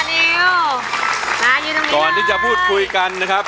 นิวมาอยู่ตรงนี้ก่อนที่จะพูดคุยกันนะครับ